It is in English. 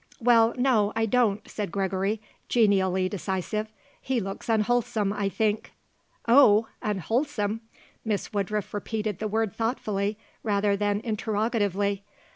"Well, no, I don't," said Gregory, genially decisive. "He looks unwholesome, I think." "Oh! Unwholesome?" Miss Woodruff repeated the word thoughtfully rather than interrogatively.